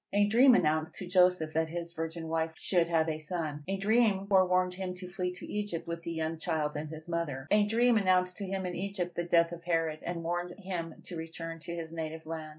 A dream announced to Joseph that his virgin wife should have a son. A dream forewarned him to flee into Egypt with the young child and his mother. A dream announced to him in Egypt the death of Herod, and warned him to return to his native land.